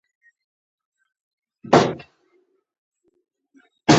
افغانستان په بادي انرژي باندې تکیه لري.